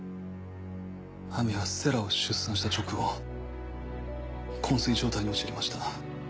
亜美は星来を出産した直後昏睡状態に陥りました。